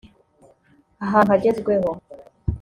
ahantu hagezweho